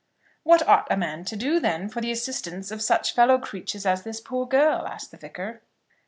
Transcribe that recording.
"What ought a man to do, then, for the assistance of such fellow creatures as this poor girl?" asked the Vicar.